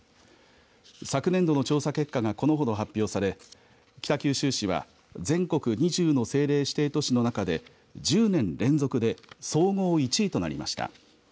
昨年度の調査結果がこのほど発表され北九州市は全国２０の政令指定都市の中で１０年連続で総合１位となりました。